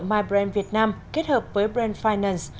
my brand việt nam kết hợp với brand finance